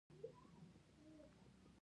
خپلو مغرضانه پالیسیو کې تغیر راولي